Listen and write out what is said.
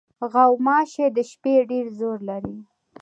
غوماشې د شپې ډېر زور لري.